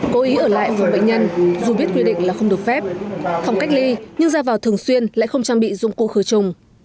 cố ý ở lại phòng bệnh nhân dù biết quy định là không được phép phòng cách ly nhưng ra vào thường xuyên lại không trang bị dụng cụ khử trùng